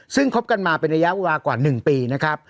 ซึ่งคบกันมาเป็นระยะเวลากว่า๑ปีนะครับ